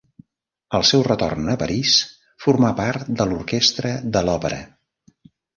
Al seu retorn a París formà part de l'orquestra de l'Òpera.